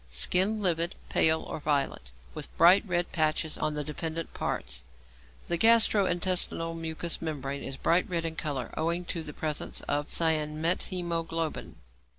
_ Skin livid, pale, or violet, with bright red patches on the dependent parts. The gastro intestinal mucous membrane is bright red in colour, owing to the presence of cyanmethæmoglobin.